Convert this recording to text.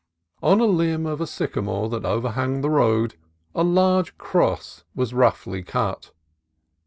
On a limb of a sycamore that overhung the road a large cross was roughly cut.